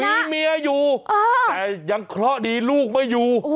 มีเมียอยู่แต่ยังเคราะห์ดีลูกไม่อยู่